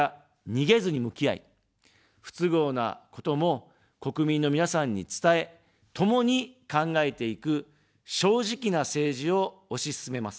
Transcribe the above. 逃げずに向き合い、不都合なことも国民の皆さんに伝え、ともに考えていく、正直な政治を推し進めます。